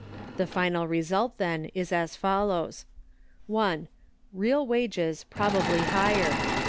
The final result, then, is as follows: (1.) Real wages, probably higher.